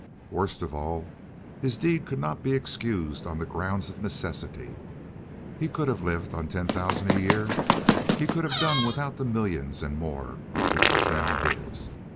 Worst of all, his deed could not be excused on the grounds of necessity. He could have lived on ten thousand a year; he could have done without the million and more which was now his.